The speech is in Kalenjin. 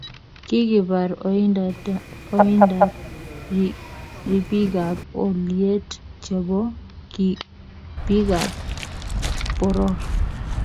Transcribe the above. Kikipar oindap ripikap kaliet chebo pikap boror